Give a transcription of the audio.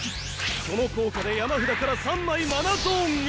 その効果で山札から３枚マナゾーンへ。